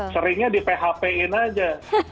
seringnya di php in aja